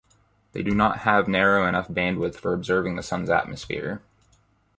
They do not have narrow enough bandwidth for observing the sun's atmosphere.